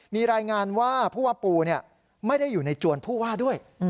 มีรายงานว่าผู้ว่าปูไม่ได้อยู่ในจวนผู้ว่าด้วย